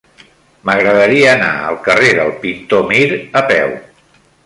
M'agradaria anar al carrer del Pintor Mir a peu.